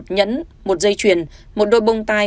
một nhẫn một dây chuyền một đôi bông tai